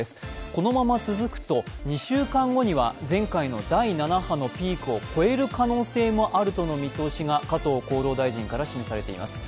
このまま続くと２週間後には前回の第７波を超える可能性もあるとの見通しが加藤厚労大臣から示されています。